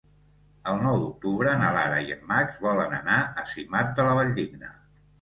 El nou d'octubre na Lara i en Max volen anar a Simat de la Valldigna.